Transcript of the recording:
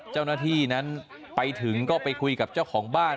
เจ้าหน้าที่นั้นไปถึงก็ไปคุยกับเจ้าของบ้าน